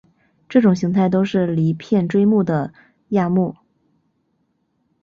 这种形态都是离片锥目的亚目。